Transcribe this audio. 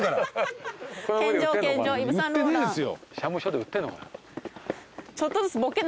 社務所で売ってんのかな？